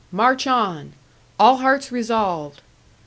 March on! All hearts resolved!"